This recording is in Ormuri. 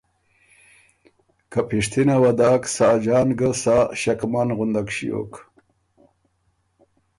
که پِشتِنه وه داک ساجان ګه سا ݭکمن غندک ݭیوک